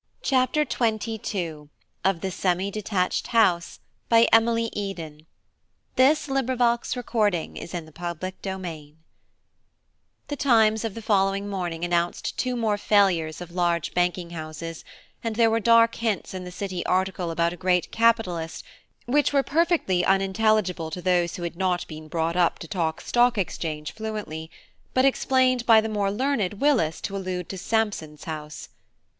re of meeting you," Harcourt added in a low voice to Rose, "so it cannot be very tragical mirth to me." CHAPTER XXII THE Times of the following morning announced two more failures of large banking houses, and there were dark hints in the City article about a great capitalist, which were perfectly unintelligible to those who had not been brought up to talk Stock Exchange fluently, but explained by the more learned Willis to allude to Sampson's house.